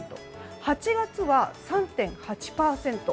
８月は３．８％。